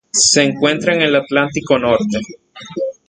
Se encuentra en el Atlántico Norte.